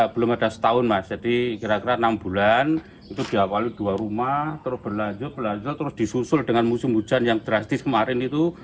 belum ada setahun mas jadi kira kira enam bulan itu diawali dua rumah terus berlanjut berlanjut terus disusul dengan musim hujan yang drastis kemarin itu